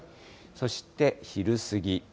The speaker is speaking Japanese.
そして昼過ぎ。